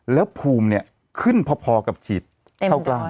แล้วภูมิเนี่ยขึ้นพอกับฉีดเข้ากล้าม